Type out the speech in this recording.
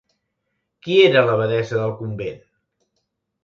Qui era l'abadessa del convent?